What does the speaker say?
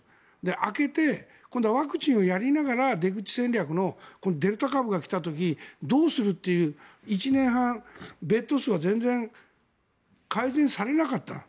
明けて、ワクチンをやりながら出口戦略のデルタ株が来た時どうするという１年半、ベッド数は全然改善されなかった。